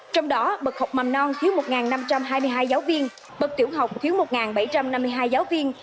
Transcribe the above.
trong đó bậc học mầm non thiếu một năm trăm hai mươi hai giáo viên bậc tiểu học thiếu một bảy trăm năm mươi hai giáo viên